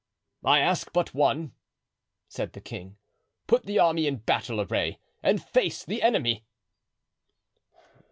"I ask but one," said the king; "put the army in battle array and face the enemy."